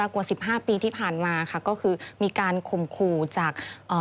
กว่า๑๕ปีที่ผ่านมาค่ะก็คือมีการคมคู่จาก